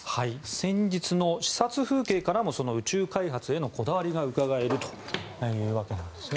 先日の視察風景からも宇宙開発へのこだわりがうかがえるというわけなんですね。